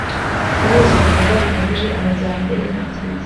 Guhuza ibikorwa bigamije amajyambere nibyiza